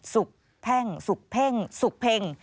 สุกแพ่งสุกเพ่งสุกเพ็ง